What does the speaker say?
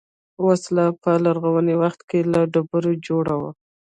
وسله په لرغوني وخت کې له ډبرو جوړه وه